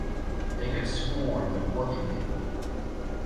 They could scorn the working people.